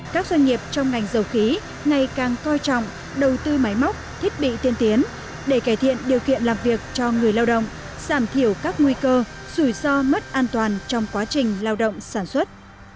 các doanh nghiệp trong ngành dầu khí ngày càng coi trọng đầu tư máy móc thiết bị tiên tiến để cải thiện điều kiện làm việc cho người lao động giảm thiểu các nguy cơ rủi ro mất an toàn trong quá trình lao động sản xuất